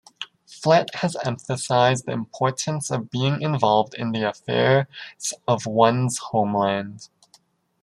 Flett has emphasised the importance of being involved in the affairs of one's homeland.